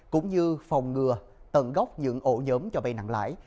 cũng như phòng ngừa tận gốc những ổ nhóm cho vay nặng lãi